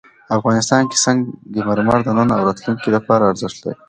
افغانستان کې سنگ مرمر د نن او راتلونکي لپاره ارزښت لري.